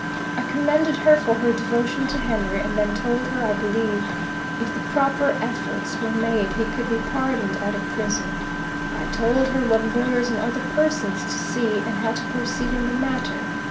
I commended her for her devotion to Henry, and then told her I believed, if the proper efforts were made, he could be pardoned out of prison. I told her what lawyer and other persons to see, and how to proceed in the matter.